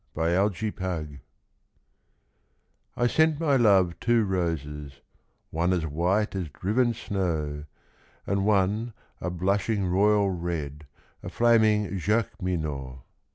The White Flag I sent my love two roses, one As white as driven snow, And one a blushing royal red, A flaming Jacqueminot.